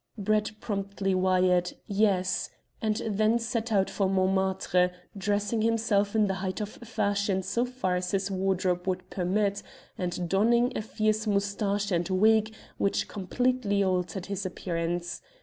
Brett promptly wired, "Yes," and then set out for Montmartre, dressing himself in the height of fashion so far as his wardrobe would permit, and donning a fierce moustache and wig, which completely altered his appearance.